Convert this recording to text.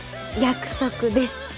約束です。